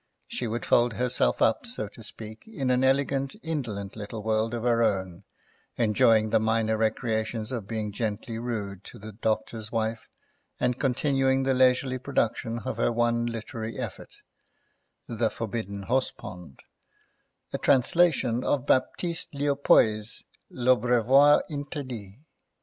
She would fold herself up, so to speak, in an elegant, indolent little world of her own, enjoying the minor recreations of being gently rude to the doctor's wife and continuing the leisurely production of her one literary effort, The Forbidden Horsepond, a translation of Baptiste Leopoy's L'Abreuvoir interdit.